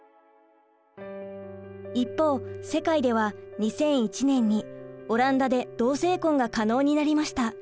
一方世界では２００１年にオランダで同性婚が可能になりました。